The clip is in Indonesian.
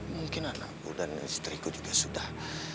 mungkin anakku dan istriku juga sudah